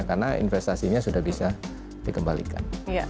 karena investasinya sudah bisa dikembalikan